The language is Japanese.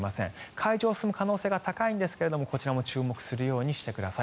海上を進む可能性が高いんですがこちらも注目するようにしてください。